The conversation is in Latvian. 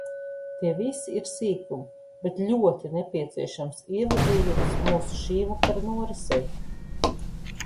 Tie visi ir sīkumi, bet ļoti nepieciešams ievadījums mūsu šīvakara norisei.